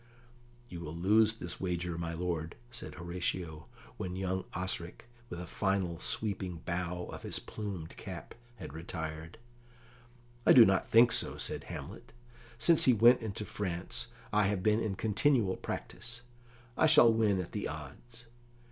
"You will lose this wager, my lord," said Horatio, when young Osric, with a final sweeping bow of his plumed cap, had retired. "I do not think so," said Hamlet. "Since he went into France I have been in continual practice. I shall win at the odds.